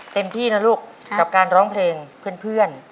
เต็มที่นะลูกกับการร้องเพลงเพื่อน